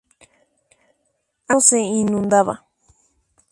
A menudo se inundaba.